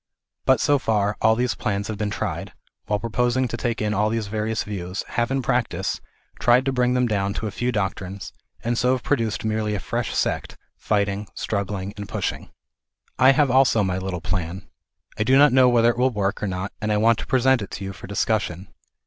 But so far, all these plans that have been tried, while pro posing to take in all these various views, have, in practice, tried to bring them down to a few doctrines, and so have produced merely a fresh sect, fighting, struggling and pushing. I have also my little plan. I do not know whether it will work or not and I want to present it to you for discussion.